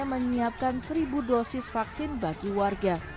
menyiapkan seribu dosis vaksin bagi warga